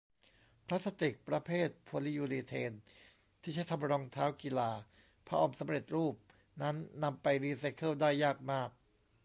พลาสติกประเภทโพลิยูรีเทนที่ใช้ทำรองเท้ากีฬา ผ้าอ้อมสำเร็จรูป นั้นนำไปรีไซเคิลได้ยากมาก